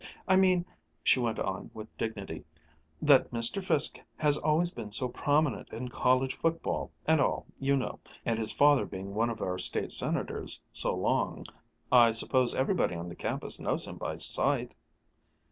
"I mean," she went on with dignity, "that Mr. Fiske has always been so prominent in college football and all, you know and his father being one of our State Senators so long I suppose everybody on the campus knows him by sight."